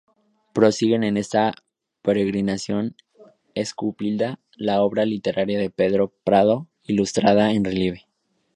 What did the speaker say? Prosigue en esta peregrinación esculpida, la obra literaria de Pedro Prado, ilustrada en relieve.